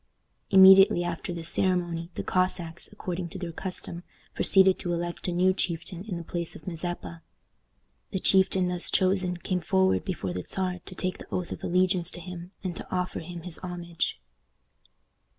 Immediately after this ceremony, the Cossacks, according to their custom, proceeded to elect a new chieftain in the place of Mazeppa. The chieftain thus chosen came forward before the Czar to take the oath of allegiance to him, and to offer him his homage.